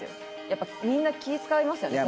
やっぱみんな気使いますよね